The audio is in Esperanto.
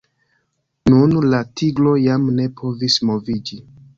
Nun la tigro jam ne povis moviĝi.